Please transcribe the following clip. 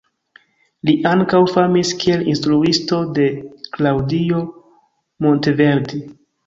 Li ankaŭ famis kiel instruisto de Claudio Monteverdi.